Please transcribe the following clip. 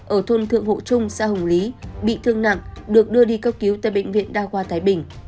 ở thôn thượng hộ trung xã hồng lý bị thương nặng được đưa đi cấp cứu tại bệnh viện đa khoa thái bình